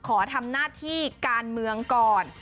ขอทำหน้าที่การเมืองก่อน